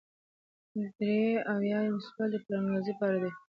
درې اویایم سوال د پلانګذارۍ په اړه دی.